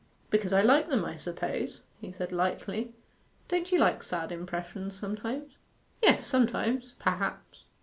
'H'm because I like them, I suppose,' said he lightly. 'Don't you like sad impressions sometimes?' 'Yes, sometimes, perhaps.